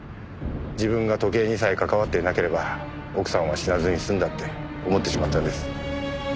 自分が時計にさえ関わっていなければ奥さんは死なずに済んだって思ってしまったんです。